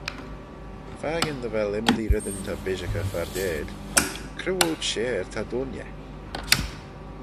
Fakin dy vel ymmodee reddyn ta bishaghey fardail, cre woad share ta dooinney?